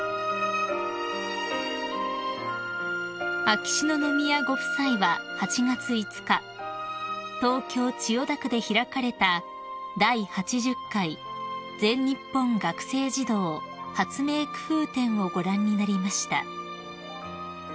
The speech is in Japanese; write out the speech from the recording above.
［秋篠宮ご夫妻は８月５日東京千代田区で開かれた第８０回全日本学生児童発明くふう展をご覧になりました］